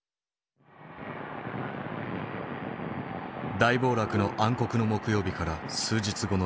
大暴落の暗黒の木曜日から数日後の映像。